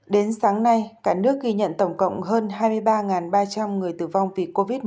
đến sáng nay cả nước ghi nhận tổng cộng hơn hai mươi ba ba trăm linh người tử vong vì covid một mươi chín